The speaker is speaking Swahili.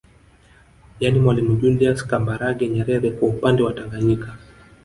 Yani Mwalimu Julius Kambarage Nyerere kwa upande wa Tanganyika